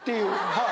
はい。